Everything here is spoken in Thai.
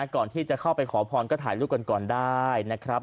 ก่อนที่จะเข้าไปขอพรก็ถ่ายรูปกันก่อนได้นะครับ